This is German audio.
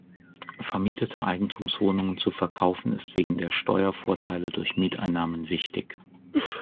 Vermietete Eigentumswohnungen zu verkaufen ist wegen der Steuervorteile durch Mieteinnahmen wichtig.